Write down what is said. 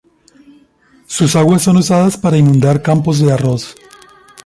Sus aguas son usadas para inundar campos de arroz.